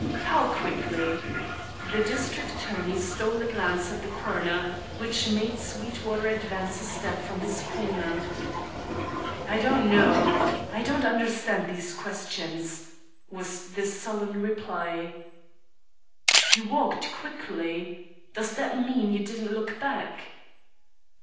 How quickly?" The district attorney stole a glance at the coroner, which made Sweetwater advance a step from his corner. "I don't know. I don't understand these questions," was the sullen reply. "You walked quickly. Does that mean you didn't look back?"